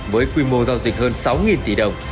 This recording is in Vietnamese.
với quy mô giao dịch hơn sáu tỷ đồng